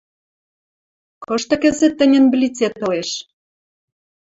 Кышты кӹзӹт тӹньӹн блицет ылеш?»